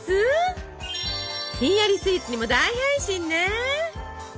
ひんやりスイーツにも大変身ね！